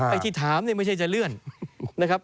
ไอ้ที่ถามเนี่ยไม่ใช่จะเลื่อนนะครับ